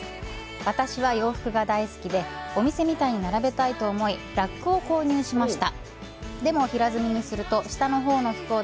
私は洋服が大好きでお店みたいに並べたいと思いラックを購入しました。